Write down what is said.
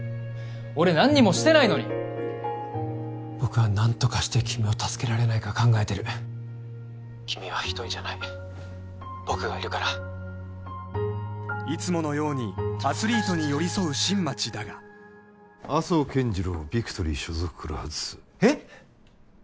俺何にもしてないのに僕は何とかして君を助けられないか考えてる☎君は一人じゃない僕がいるからいつものようにアスリートに寄り添う新町だが麻生健次郎をビクトリー所属から外すえっ？